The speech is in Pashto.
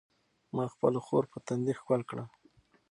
ما خپله خور په تندي ښکل کړه.